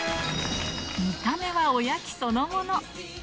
見た目はおやきそのもの